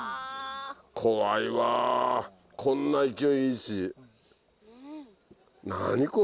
怖いわこんな勢いいいし。